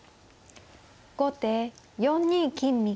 後手４二金右。